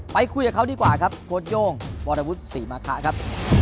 ไปคุยกับเขาดีกว่าครับโค้ดโย่งวรวุฒิศรีมาคะครับ